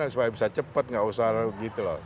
supaya bisa cepat nggak usah gitu loh